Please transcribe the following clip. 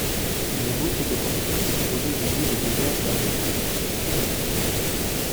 Une ébauche de ce portrait est exposée au musée des beaux-arts d’Agen.